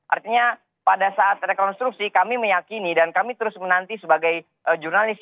artinya pada saat rekonstruksi kami meyakini dan kami terus menanti sebagai jurnalis